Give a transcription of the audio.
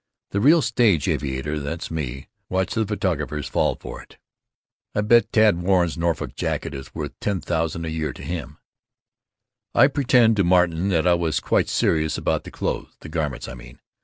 The real stage aviator, that's me. Watch the photographers fall for it. I bet Tad Warren's Norfolk jacket is worth $10,000 a year to him! I pretended to Martin that I was quite serious about the clothes, the garments I mean.